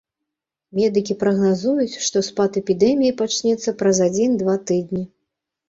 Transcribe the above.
Медыкі прагназуюць, што спад эпідэміі пачнецца праз адзін-два тыдні.